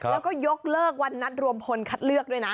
แล้วก็ยกเลิกวันนัดรวมพลคัดเลือกด้วยนะ